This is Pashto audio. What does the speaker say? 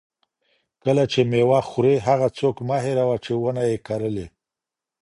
کله چې مېوه خورې، هغه څوک مه هېروه چې ونه یې کرلې.